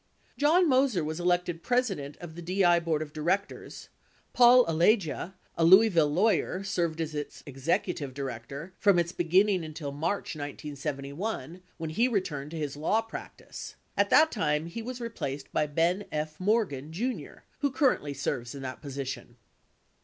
John Moser was elected president of the DI board of directors. Paul Alagia, a Louisville lawyer, served as its executive director from its beginning until March 1971, when he returned to his law practice. 17 At that time, he was replaced by Ben F. Morgan, Jr., who currently serves in that position.